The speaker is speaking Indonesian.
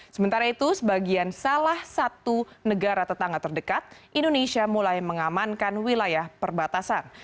sementara itu sebagian salah satu negara tetangga terdekat indonesia mulai mengamankan wilayah perbatasan